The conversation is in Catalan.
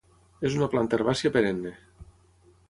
És una planta herbàcia perenne.